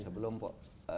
sebelum sebelum prof